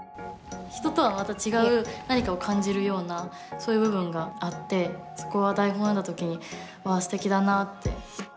人とはまた違う何かを感じるようなそういう部分があってそこは台本を読んだ時にわあすてきだなって。